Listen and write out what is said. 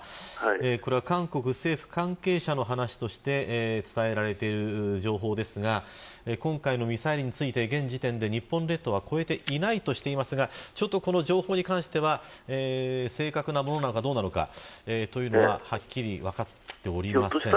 これは、韓国政府関係者の話として伝えられている情報ですが今回のミサイルについて現時点で日本列島は越えていないとしていますがこの情報に関しては正確なものなのかどうなのかということははっきり分かっていません。